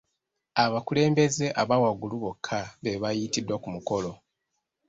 Abakulembeze abawaggulu bokka beebayitiddwa ku mukolo.